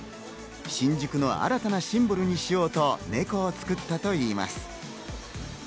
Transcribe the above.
新宿の新たなシンボルにしようとネコを作ったといいます。